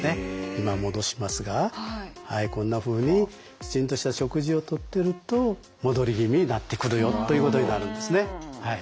今戻しますがはいこんなふうにきちんとした食事をとってると戻り気味になってくるよということになるんですね。